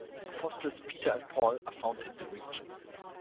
Apostles Peter and Paul, are found in the region.